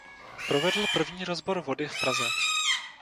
Provedl první rozbor vody v Praze.